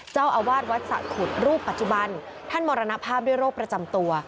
เจ้าอาวาสวัดสะขุดรูปปัจจุบันท่านมรณภาพด้วยโรคประจำตัว